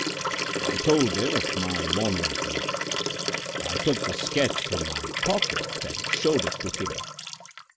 I told him of my morning's work. I took the sketch from my pocket and showed it to him.